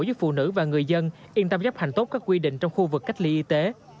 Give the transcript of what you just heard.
giúp phụ nữ và người dân yên tâm chấp hành tốt các quy định trong khu vực cách ly y tế